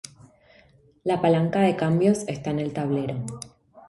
La palanca de cambios está en el tablero.